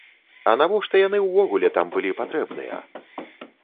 А навошта яны ўвогуле там былі патрэбныя?